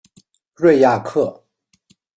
瑞亚克。